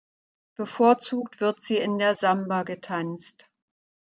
Bevorzugt wird sie in der Samba getanzt.